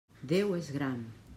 Déu és Gran!